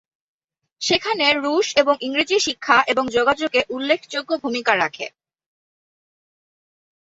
সেখানে রুশ এবং ইংরেজি শিক্ষা এবং যোগাযোগে উল্লেখযোগ্য ভুমিকা রাখে।